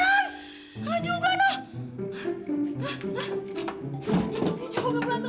ini siapa yang bongkar ya